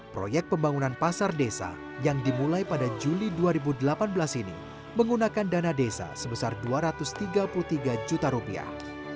proyek pembangunan pasar desa yang dimulai pada juli dua ribu delapan belas ini menggunakan dana desa sebesar dua ratus tiga puluh tiga juta rupiah